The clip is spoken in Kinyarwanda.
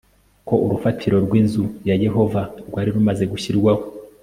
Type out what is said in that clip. ko urufatiro rw inzu ya yehova rwari rumaze gushyirwaho